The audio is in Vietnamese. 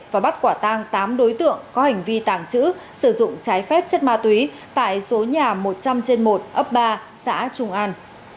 và bắt quả tang tám đối tượng có hành vi tàng trữ sử dụng trái phép chất ma túy tại số nhà một trăm linh trên một ấp ba xã trung an